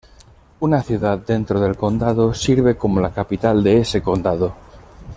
Una ciudad dentro del condado sirve como la capital de ese condado.